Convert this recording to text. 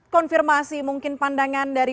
konfirmasi mungkin pandangan dari